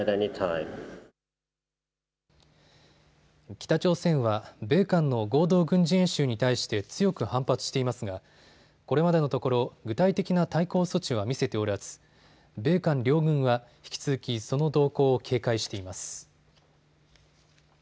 北朝鮮は米韓の合同軍事演習に対して強く反発していますがこれまでのところ具体的な対抗措置は見せておらず米韓両軍は引き続きその動向を警戒しています。